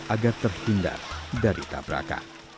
agar terhindar dari tabrakan